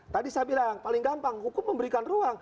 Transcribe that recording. tadi saya bilang paling gampang hukum memberikan ruang